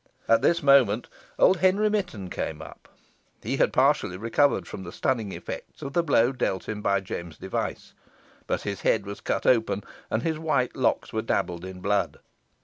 At this moment old Henry Mitton came up. He had partially recovered from the stunning effects of the blow dealt him by James Device, but his head was cut open, and his white locks were dabbled in blood.